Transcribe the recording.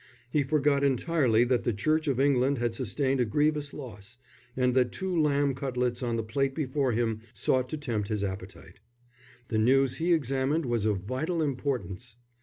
He forgot entirely that the Church of England had sustained a grievous loss, and that two lamb cutlets on the plate before him sought to tempt his appetite. The news he examined was of vital importance.